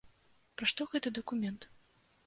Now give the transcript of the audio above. Пра што гэты дакумент?